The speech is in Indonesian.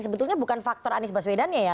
sebetulnya bukan faktor anies baswedan ya ya